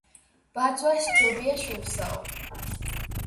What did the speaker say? ბაძვა სჯობია შურსაო.